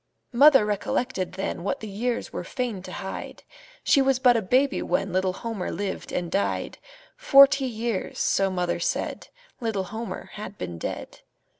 Mother recollected then What the years were fain to hide She was but a baby when Little Homer lived and died; Forty years, so mother said, Little Homer had been dead.